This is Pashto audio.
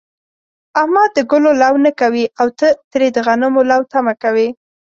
احمد د گلو لو نه کوي، او ته ترې د غنمو لو تمه کوې.